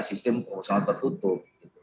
sistem perusahaan tertutup